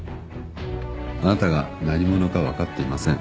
あなたが何者か分かっていません。